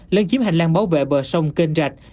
lấn chiếm hành lang bảo vệ bờ sông kênh rạch